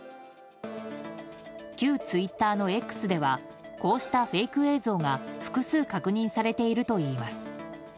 旧ツイッターのＸではこうしたフェイク映像が複数確認されているといいます。